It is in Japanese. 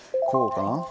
こうかな？